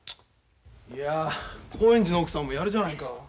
いや興園寺の奥さんもやるじゃないか。